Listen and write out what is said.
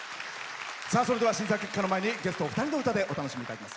それでは審査結果の前にゲストお二人の歌でお楽しみいただきます。